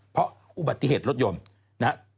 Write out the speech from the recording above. เพราะอุบัติเหตุรถยนต์นะครับ